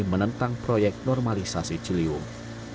menentang proyek normalisasi ciliwung